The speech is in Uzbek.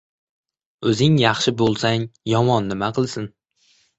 O‘zing yaxshi bo‘lsang, yomon nima qilsin?